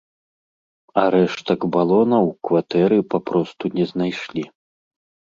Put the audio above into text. А рэштак балона ў кватэры папросту не знайшлі.